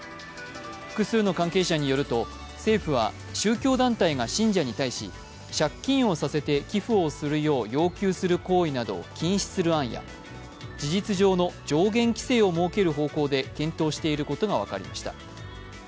複数の関係者によると政府は宗教団体が信者に対し借金をさせて寄付をするよう要求する行為などを禁止する案や事実上の上限規制を設ける方向で検討していることが分かりました。